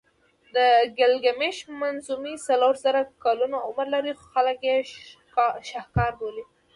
د ګیلګمېش منظومې څلور زره کلونه عمر لري خو خلک یې شهکار بولي.